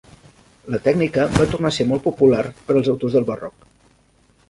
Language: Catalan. La tècnica va tornar a ser molt popular pels autors del barroc.